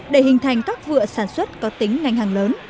để hình thành các vựa sản xuất có tính ngành hàng lớn